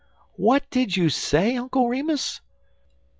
"What did you say, Uncle Remus?"